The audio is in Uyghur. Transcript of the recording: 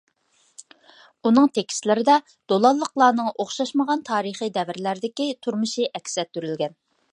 ئۇنىڭ تېكىستلىرىدە دولانلىقلارنىڭ ئوخشاشمىغان تارىخىي دەۋرلەردىكى تۇرمۇشى ئەكس ئەتتۈرۈلگەن.